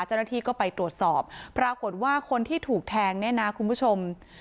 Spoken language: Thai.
เจ้าหน้าที่ก็ไปตรวจสอบปรากฏว่าคนที่ถูกแทงเนี่ยนะคุณผู้ชม